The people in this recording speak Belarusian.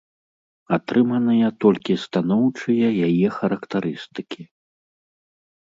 Атрыманыя толькі станоўчыя яе характарыстыкі.